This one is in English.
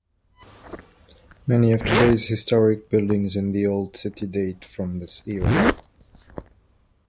Many of today's historic buildings in the Old City date from this era.